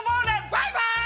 バイバイ！